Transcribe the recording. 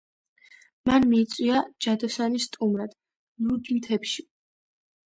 მან მიიწვია ჯადოსანი სტუმრად, ლურჯ მთებში.